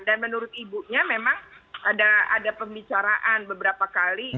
dan menurut ibunya memang ada pembicaraan beberapa kali